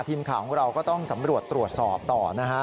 ทีมข่าวของเราก็ต้องสำรวจตรวจสอบต่อนะฮะ